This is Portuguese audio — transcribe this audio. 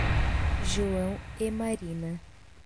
João e Marina